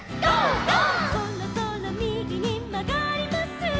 「そろそろみぎにまがります」